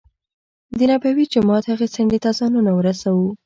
دنبوي جومات هغې څنډې ته ځانونه ورسو.